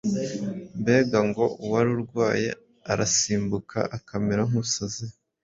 Mbega ngo uwari urwaye arasimbuka akamera nk'usaze!